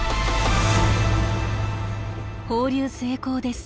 放流成功です。